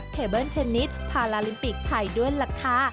เทเบิลเทนนิสพาราลิมปิกไทยด้วยลักษะ